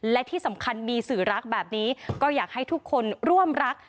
และที่สำคัญมีสื่อรักแบบนี้ก็อยากให้ทุกคนร่วมรัก